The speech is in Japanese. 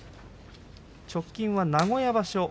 直近は名古屋場所。